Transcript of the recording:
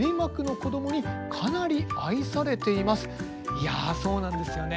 いやそうなんですよね。